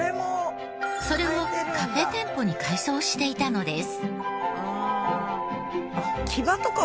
それをカフェ店舗に改装していたのです。